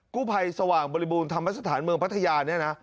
กู้ภัยสว่างบริบูรณธรรมสถานเมืองพัทยาเนี่ยนะ